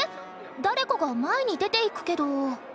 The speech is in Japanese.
誰かが前に出ていくけど。